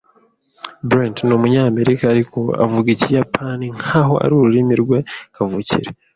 Brent ni Umunyamerika, ariko avuga Ikiyapani nkaho ari ururimi rwe kavukire.